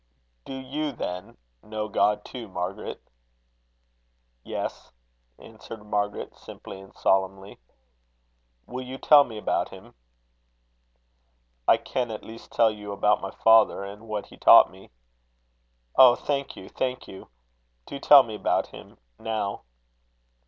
"Do you, then, know God too, Margaret?" "Yes," answered Margaret, simply and solemnly. "Will you tell me about him?" "I can at least tell you about my father, and what he taught me." "Oh! thank you, thank you! Do tell me about him now."